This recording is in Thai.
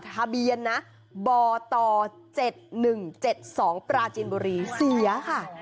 ทะเบียนนะบต๗๑๗๒ปราจีนบุรีเสียค่ะ